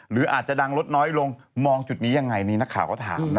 หรืออาจจะดังลดน้อยลงมองจุดนี้ยังไงนี่นักข่าวก็ถามนะ